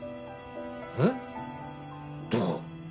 えっどこ？